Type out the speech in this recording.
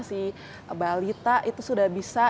si balita itu sudah bisa